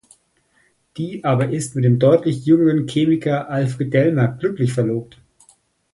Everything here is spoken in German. Die aber ist mit dem deutlich jüngeren Chemiker Alfred Delmer glücklich verlobt.